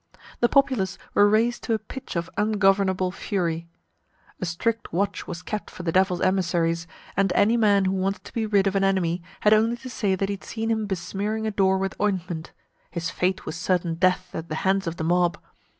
The populace were raised to a pitch of ungovernable fury. A strict watch was kept for the Devil's emissaries, and any man who wanted to be rid of an enemy, had only to say that he had seen him besmearing a door with ointment; his fate was certain death at the hands of the mob.